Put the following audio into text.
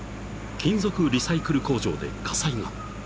［金属リサイクル工場で火災が］